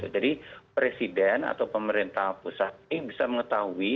jadi presiden atau pemerintah pusat ini bisa mengetahui